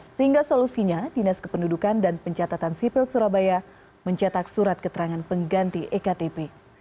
sehingga solusinya dinas kependudukan dan pencatatan sipil surabaya mencetak surat keterangan pengganti ektp